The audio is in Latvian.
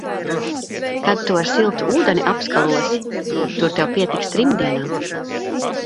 Kad tu ar siltu ūdeni apskalosi, tur tev pietiks trim dienām.